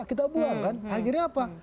kita buang kan akhirnya apa